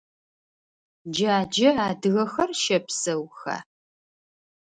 Джаджэ адыгэхэр щэпсэуха?